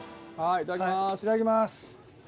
いただきます。